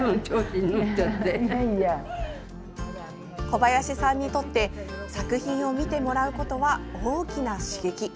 小林さんにとって作品を見てもらうことは大きな刺激。